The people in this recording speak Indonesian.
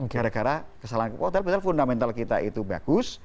gara gara kesalahan kepotel misalnya fundamental kita itu bagus